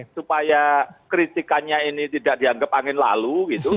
supaya kritikannya ini tidak dianggap angin lalu gitu